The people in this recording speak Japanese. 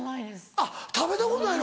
あっ食べたことないの？